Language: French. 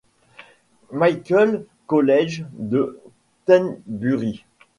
Michael's College de Tenbury.